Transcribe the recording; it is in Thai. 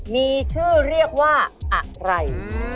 มีชื่อเรียกว่าอะไร